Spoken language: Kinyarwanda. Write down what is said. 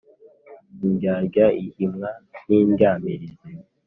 Indyarya ihimwa n’indyamirizi.